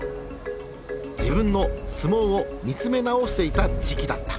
自分の相撲を見つめ直していた時期だった。